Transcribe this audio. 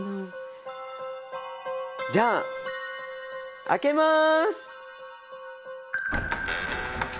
じゃあ開けます！